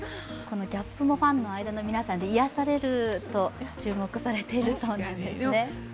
このギャップもファンの間で癒やされると注目されているそうなんですね。